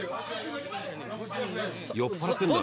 酔っ払ってんだ。